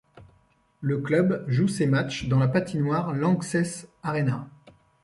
Le club joue ses matchs dans la patinoire Lanxess Arena.